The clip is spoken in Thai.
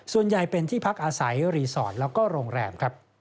ส่วนใหญ่เป็นที่พักอาศัยรีสอร์ทและโรงแรม